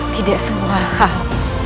tidak semua hal